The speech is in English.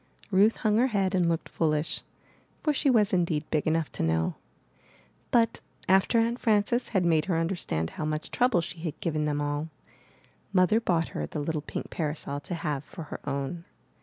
Ruth hung her head and looked foolish, for she was indeed big enough to know. But after Aunt Frances had made her understand how much trouble she had given them all, Mother bought her the little pink parasol to have for her own.